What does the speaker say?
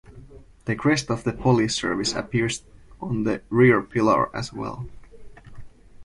The crest of the police service appears on the rear pillar as well.